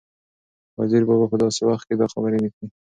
وزیر بابا په داسې وخت کې دا خبرې لیکلي